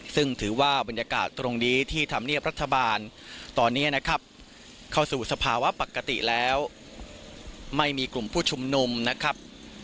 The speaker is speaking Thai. ซึ่งถือว่าบรรยากาศตรงนี้ที่ธรรมเนียบรัฐบาลตอนนี้นะครับเข้าสู่สภาวะปกติแล้วไม่มีกลุ่มผู้ชุมนุมนะครับ